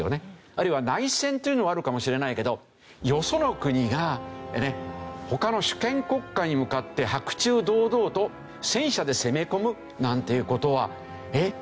あるいは内戦というのはあるかもしれないけどよその国が他の主権国家に向かって白昼堂々と戦車で攻め込むなんていう事はえっ